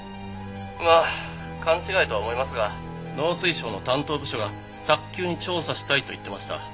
「まあ勘違いとは思いますが農水省の担当部署が早急に調査したいと言ってました」